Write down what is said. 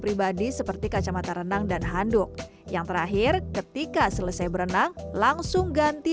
pribadi seperti kacamata renang dan handuk yang terakhir ketika selesai berenang langsung ganti